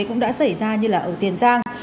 cũng đã xảy ra như là ở tiền giang